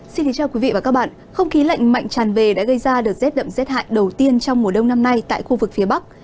xin kính chào quý vị và các bạn không khí lạnh mạnh tràn về đã gây ra đợt rét đậm rét hại đầu tiên trong mùa đông năm nay tại khu vực phía bắc